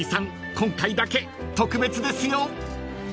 今回だけ特別ですよ］